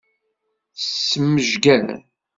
Tesmejger.